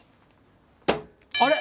あれ？